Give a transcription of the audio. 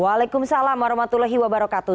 waalaikumsalam warahmatullahi wabarakatuh